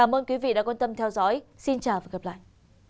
xin chào và hẹn gặp lại